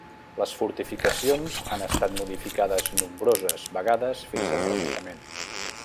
Les fortificacions han estat modificades nombroses vegades fins al Renaixement.